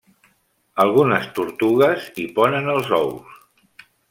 Algunes tortugues hi ponen els ous.